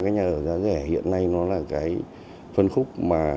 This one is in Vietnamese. nhà ở giá rẻ hiện nay là phân khúc